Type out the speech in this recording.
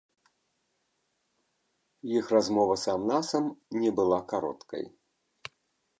Іх размова сам на сам не была кароткай.